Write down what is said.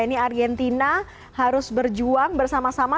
ini argentina harus berjuang bersama sama